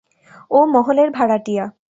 ও মহলের ভাড়াটিয়া।